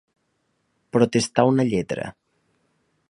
Protestar una lletra.